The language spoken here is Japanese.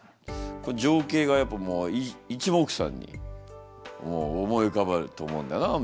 情景がやっぱもういちもくさんに思い浮かべると思うんだなみんながな。